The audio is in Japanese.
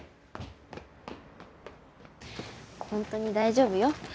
本当に大丈夫よ。